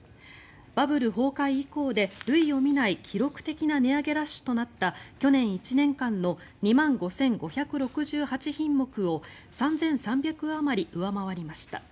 バブル崩壊以降で類を見ない記録的な値上げラッシュとなった去年１年間の２万５５６８品目を３３００あまり上回りました。